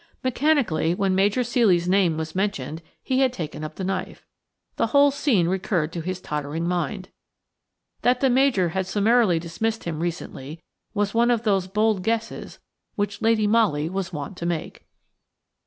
Mechanically, when Major Ceely's name was mentioned, he had taken up the knife. The whole scene recurred to his tottering mind. That the Major had summarily dismissed him recently was one of those bold guesses which Lady Molly was wont to make.